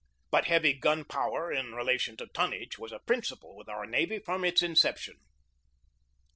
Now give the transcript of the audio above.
But heavy gun power in relation to tonnage was a principle with our navy from its inception.